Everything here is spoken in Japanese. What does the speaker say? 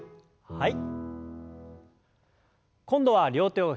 はい。